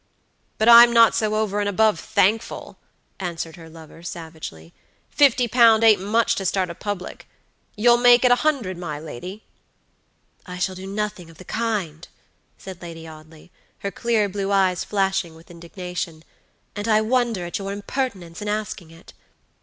"But I'm not so over and above thankful," answered her lover, savagely. "Fifty pound ain't much to start a public. You'll make it a hundred, my lady?" "I shall do nothing of the kind," said Lady Audley, her clear blue eyes flashing with indignation, "and I wonder at your impertinence in asking it."